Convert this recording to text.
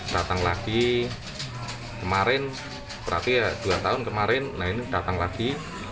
datang lagi kemarin berarti ya dua tahun kemarin nah ini datang lagi